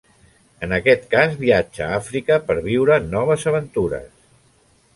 En aquest cas viatja a Àfrica per viure noves aventures.